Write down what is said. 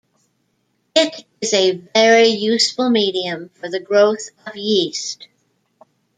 It is a very useful medium for the growth of yeast.